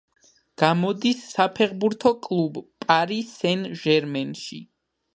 გამოდის საფეხბურთო კლუბ „პარი სენ-ჟერმენში“.